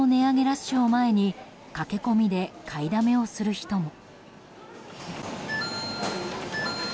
ラッシュを前に駆け込みで買いだめをする人も。